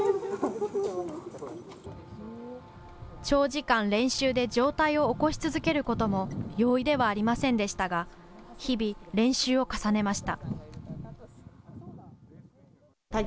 長時間、練習で上体を起こし続けることも容易ではありませんでしたが日々、練習を重ねました。